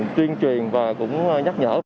truyền truyền và cũng nhắc nhở